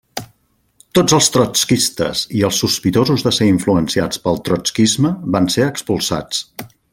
Tots els trotskistes i els sospitosos de ser influenciats pel trotskisme van ser expulsats.